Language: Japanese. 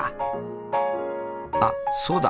あっそうだ